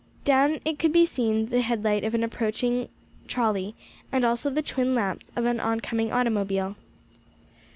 Down it could be seen the headlight of an approaching trolley, and also the twin lamps of an oncoming automobile.